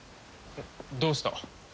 どうした？